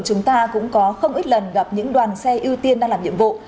chúng ta cũng có không ít lần gặp những đoàn xe ưu tiên đang làm nhiệm vụ